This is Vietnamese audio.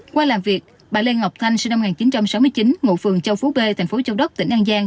qua làm việc bà lê ngọc thanh sinh năm một nghìn chín trăm sáu mươi chín ngụ phường châu phú b thành phố châu đốc tỉnh an giang